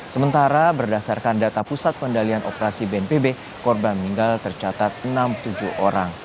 sementara berdasarkan data pusat pengendalian operasi bnpb korban meninggal tercatat enam tujuh orang